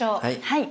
はい。